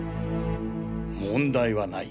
問題はない。